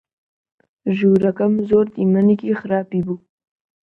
ژوورەکەم زۆر دیمەنێکی خراپی بوو.